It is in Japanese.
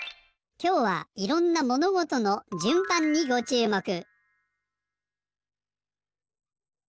きょうはいろんなものごとの順番にごちゅうもく。